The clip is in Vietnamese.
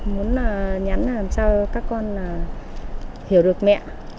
muốn nhắn làm sao các con hiểu được mẹ